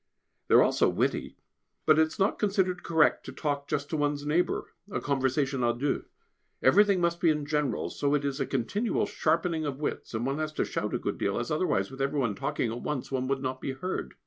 They are all so witty, but it is not considered correct to talk just to one's neighbour, a conversation à deux. Everything must be general, so it is a continual sharpening of wits, and one has to shout a good deal, as otherwise, with every one talking at once, one would not be heard.